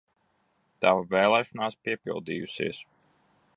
Tava vēlēšanās piepildījusies!